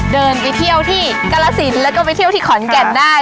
เดินไปเที่ยวที่กรสินแล้วก็ไปเที่ยวที่ขอนแก่นได้